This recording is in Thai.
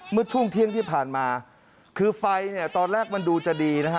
เมื่อช่วงเที่ยงที่ผ่านมาคือไฟเนี่ยตอนแรกมันดูจะดีนะฮะ